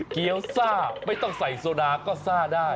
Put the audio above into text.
เกี้ยวซ่าไม่ต้องใส่โซดาก็ซ่าได้